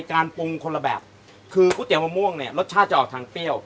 การปรุงคนละแบบคือก๋วยเตี๋ยวมะม่วงเนี่ยรสชาติจะออกทางเปรี้ยว